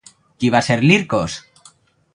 Qui va ser Lircos?